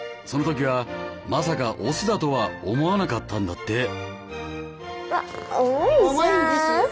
その時はまさかオスだとは思わなかったんだって。